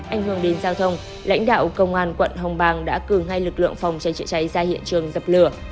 ảnh hưởng đến giao thông lãnh đạo công an quận hồng bang đã cử ngay lực lượng phòng cháy chữa cháy ra hiện trường dập lửa